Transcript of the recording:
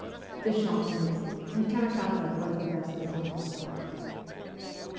The shot missed, and Karakozoff was arrested on the spot.